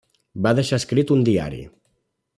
Va deixar escrit un diari.